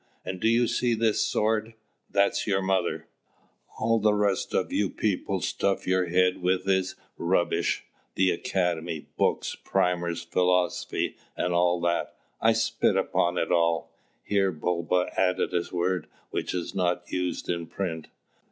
And do you see this sword? that's your mother! All the rest people stuff your heads with is rubbish; the academy, books, primers, philosophy, and all that, I spit upon it all!" Here Bulba added a word which is not used in print.